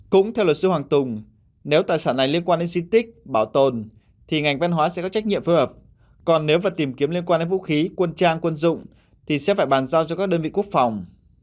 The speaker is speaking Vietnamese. cũng theo luật sư hoàng tùng nếu tài sản này liên quan đến di tích bảo tồn thì ngành văn hóa sẽ có trách nhiệm phù hợp còn nếu và tìm kiếm liên quan đến vũ khí quân trang quân dụng thì sẽ phải bàn giao cho các đơn vị quốc phòng